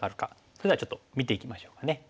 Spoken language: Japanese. それではちょっと見ていきましょうかね。